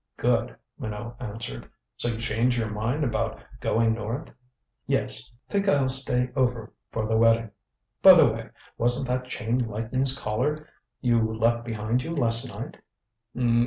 "Good," Minot answered. "So you changed your mind about going north?" "Yes. Think I'll stay over for the wedding. By the way, wasn't that Chain Lightning's Collar you left behind you last night?"